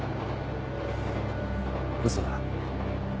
嘘だ。